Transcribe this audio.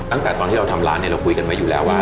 ตั้งแต่ตอนที่เราทำร้านเนี่ยเราคุยกันไว้อยู่แล้วว่า